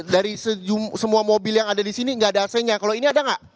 dari semua mobil yang ada disini gak ada ac nya kalau ini ada gak